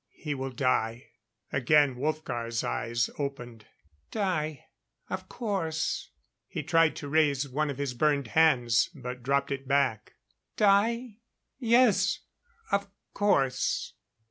He will die." Again Wolfgar's eyes opened. "Die of course." He tried to raise one of his burned hands, but dropped it back. "Die? Yes of course.